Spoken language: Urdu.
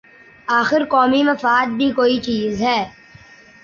آخر قومی مفاد بھی کوئی چیز ہے۔